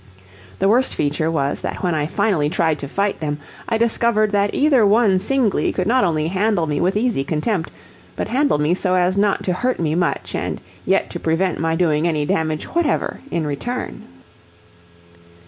The worst feature was that when I finally tried to fight them I discovered that either one singly could not only handle me with easy contempt, but handle me so as not to hurt me much and yet to prevent my doing any damage whatever in return.